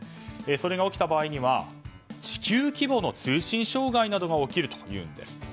それが起きた場合には地球規模の通信障害などが起きるというんです。